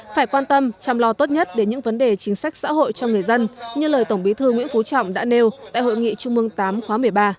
phải quan tâm chăm lo tốt nhất đến những vấn đề chính sách xã hội cho người dân như lời tổng bí thư nguyễn phú trọng đã nêu tại hội nghị trung mương tám khóa một mươi ba